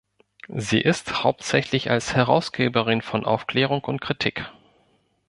Sie ist hauptsächlich als Herausgeberin von "Aufklärung und Kritik.